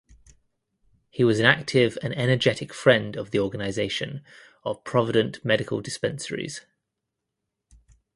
He was an active and energetic friend of the organisation of provident medical dispensaries.